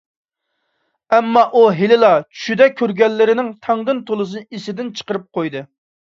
ئەمما، ئۇ ھېلىلا چۈشىدە كۆرگەنلىرىنىڭ تەڭدىن تولىسىنى ئېسىدىن چىقىرىپ قويدى.